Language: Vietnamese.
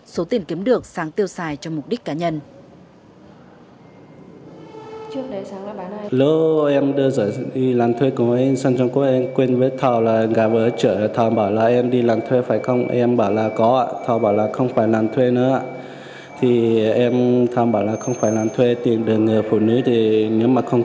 số tiền kiếm được sáng tiêu xài cho mục đích cá nhân